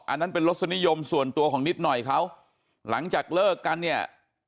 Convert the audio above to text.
อันนั้นเป็นรสนิยมส่วนตัวของนิดหน่อยเขาหลังจากเลิกกันเนี่ย